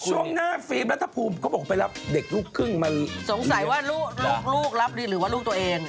สงสัยว่าลูกลูกลิ้นหรือว่าลูกตัวเอง